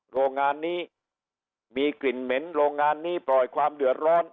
โรงงานนี้มีกลิ่นเหม็นโรงงานนี้ปล่อยความเดือดร้อน